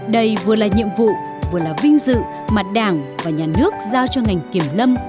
đây vừa là nhiệm vụ vừa là vinh dự mà đảng và nhà nước giao cho ngành kinh tế